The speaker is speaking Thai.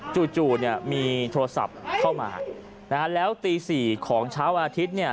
จู่มีโทรศัพท์เข้ามาแล้วตี๔ของเช้าอาทิตย์